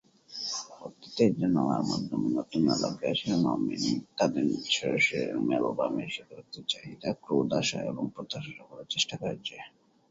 অতীতের জানালার মাধ্যমে নতুন আলোকে আমন্ত্রণ জানাতে শিরোনামহীন তাদের স্ব-শিরোনাম অ্যালবামে স্বীকারোক্তি, চাহিদা, ক্রোধ, আশা এবং প্রত্যাশা সংকলনের চেষ্টা করেছে।